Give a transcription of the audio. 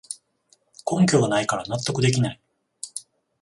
根拠がないから納得できない